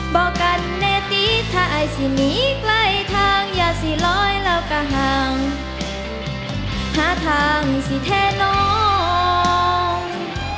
บอกกันแน่ตีถ้าไอ้สิหนีใกล้ทางอย่าสิลอยแล้วก็ห่างหาทางสิแท้น้อง